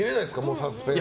サスペンス。